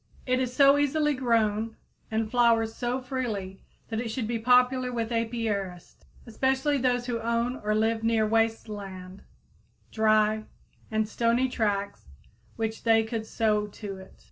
It is so easily grown and flowers so freely that it should be popular with apiarists, especially those who own or live near waste land, dry and stony tracts which they could sow to it.